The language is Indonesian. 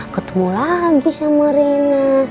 ketemu lagi sama rena